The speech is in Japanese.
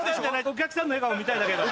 お客さんの笑顔見たいだけだから。